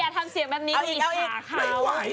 อย่าทำเสียงแบบนี้ผมอิทหารเขา